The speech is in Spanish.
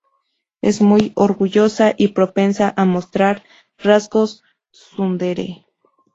Es muy orgullosa y propensa a mostrar rasgos Tsundere.